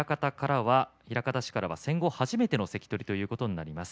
枚方からは戦後初めての関取ということになります。